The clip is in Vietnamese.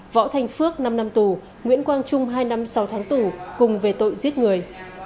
võ thành phước năm năm tù nguyễn quang trung hai năm sáu tháng tù cùng về tội giết người